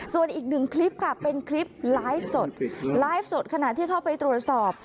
ส่วนอีกหนึ่งคลิปค่ะเป็นคลิปไลฟ์สดไลฟ์สดขณะที่เข้าไปตรวจสอบ